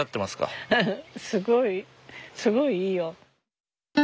すごいすごいいいよ。